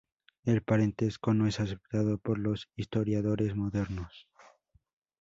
El parentesco no es aceptado por los historiadores modernos.